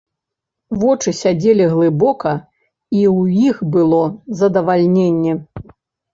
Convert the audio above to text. Вочы сядзелі глыбока, і ў іх было задавальненне.